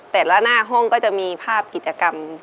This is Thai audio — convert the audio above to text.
แต่ละหน้าห้องก็จะมีภาพกิจกรรม